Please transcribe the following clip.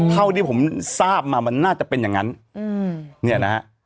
เท่าที่ผมทราบมามันน่าจะเป็นอย่างนั้นเนี่ยนะฮะ